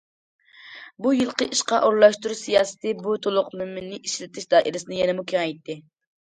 بۇ يىلقى ئىشقا ئورۇنلاشتۇرۇش سىياسىتى بۇ تولۇقلىمىنى ئىشلىتىش دائىرىسىنى يەنىمۇ كېڭەيتتى.